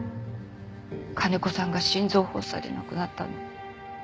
金子さんが心臓発作で亡くなったの。